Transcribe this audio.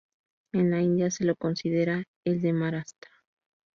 En la India se lo considera el de Maharashtra.